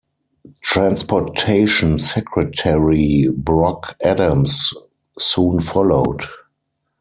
Transportation Secretary Brock Adams soon followed.